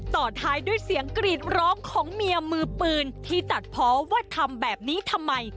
ต่อท้ายด้วยเสียงกรีดร้องของเมียมือปืนที่ตัดเพราะว่าทำแบบนี้ทำไม